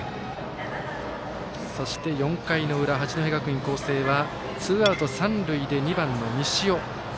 そして４回の裏、八戸学院光星はツーアウト三塁で西尾。